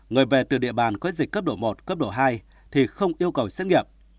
người về từ địa bàn quyết dịch cấp độ một cấp độ hai thì không yêu cầu xét nghiệm